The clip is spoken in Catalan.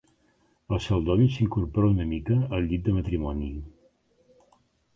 El Celdoni s'incorpora una mica al llit de matrimoni.